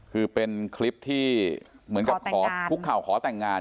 คือเป็นคลิปที่เหมือนกับขอแต่งงานพวกเขาขอแต่งงาน